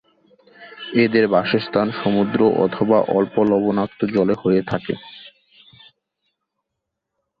এদের বাসস্থান সমুদ্র অথবা অল্প লবণাক্ত জলে হয়ে থাকে।